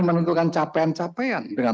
menentukan capaian capaian dengan